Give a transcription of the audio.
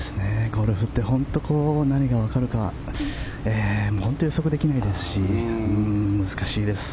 ゴルフって本当に何が起こるか本当に予測できないですし難しいです。